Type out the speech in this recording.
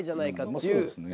まあそうですね。